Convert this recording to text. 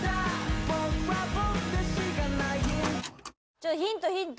ちょっとヒントヒント！